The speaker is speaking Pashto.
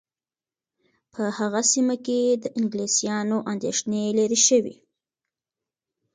په هغه سیمه کې د انګلیسیانو اندېښنې لیرې شوې.